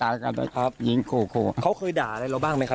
อันนี้คำต่ออ้างของผู้ก่อเหตุนะครับทุกผู้ชมครับ